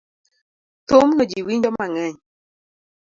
Thumno ji winjo mang'eny